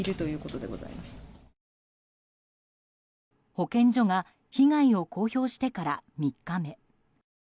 保健所が被害を公表してから３日目。